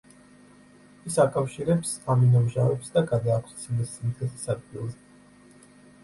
ის აკავშირებს ამინომჟავებს და გადააქვს ცილის სინთეზის ადგილზე.